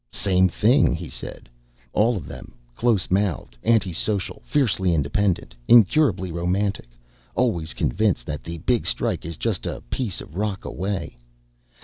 "Same thing," he said. "All of them. Close mouthed, anti social, fiercely independent, incurably romantic, always convinced that the big strike is just a piece of rock away.